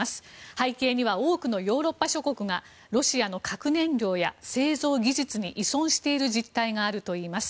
背景には多くのヨーロッパ諸国がロシアの核燃料や製造技術に依存している実態があるといいます。